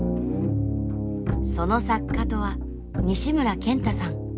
その作家とは西村賢太さん。